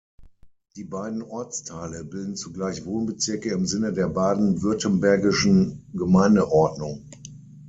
Die beiden Ortsteile bilden zugleich Wohnbezirke im Sinne der baden-württembergischen Gemeindeordnung.